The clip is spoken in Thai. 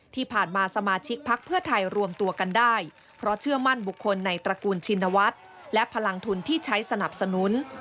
สมาชิกพักเพื่อไทยรวมตัวกันได้เพราะเชื่อมั่นบุคคลในตระกูลชินวัฒน์และพลังทุนที่ใช้สนับสนุน